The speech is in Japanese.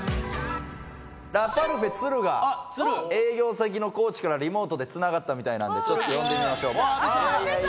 ラパルフェ・都留が営業先の高知からリモートでつながったみたいなんでちょっと呼んでみましょうか。